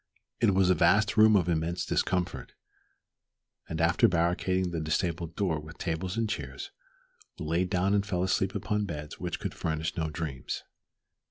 It was a vast room of immense discomfort, and after barricading the disabled door with tables and chairs, we lay down and fell asleep upon beds which could furnish no dreams.